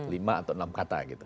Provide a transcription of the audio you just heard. lima atau enam kata gitu